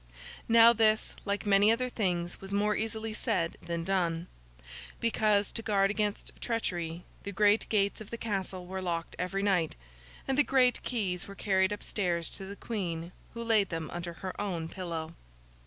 Now, this, like many other things, was more easily said than done; because, to guard against treachery, the great gates of the Castle were locked every night, and the great keys were carried up stairs to the Queen, who laid them under her own pillow.